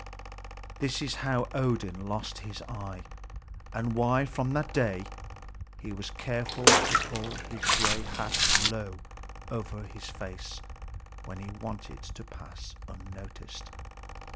This is how Odin lost his eye, and why from that day he was careful to pull his gray hat low over his face when he wanted to pass unnoticed.